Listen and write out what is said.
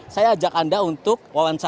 saya ajak anda untuk wawancara